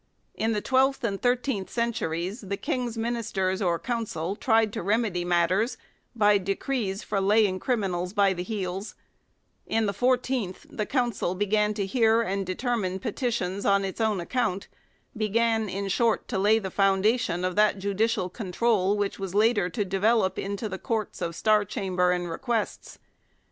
In the twelfth and thirteenth centuries, the King's ministers or council tried to remedy matters by decrees for laying criminals by the heels ; in the fourteenth the council began to hear and determine petitions on its own account began, in short, to lay the foundation of that judicial control which was later to develop into the Courts of Star Chamber and Requests.